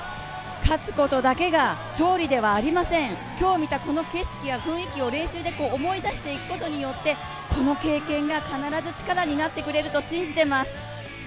勝つことだけが勝利ではありません、今日見たこの景色や経験を、練習で思い出していくことによってこの経験が必ず力になってくれると信じています。